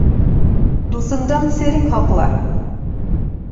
Дуҫыңдан серең һаҡла.